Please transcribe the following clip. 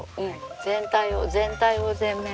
全体を全体を全面。